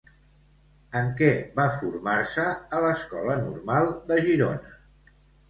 En què va formar-se a l'Escola Normal de Girona?